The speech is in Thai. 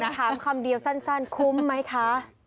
ถามคำเดียวสั้นคุ้มไหมคะ